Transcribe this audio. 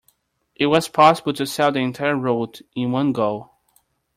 It was possible to sail the entire route in one go.